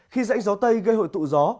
khi rãnh gió tây gây hội tụ gió